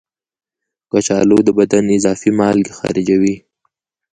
کچالو د بدن اضافي مالګې خارجوي.